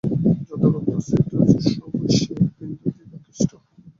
যত প্রকার অস্তিত্ব আছে, সবই সেই এক বিন্দুর দিকে আকৃষ্ট হয়।